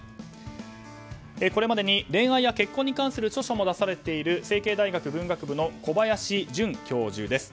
これまでに恋愛や結婚に関する著書も出されている成蹊大学文学部の小林盾教授です。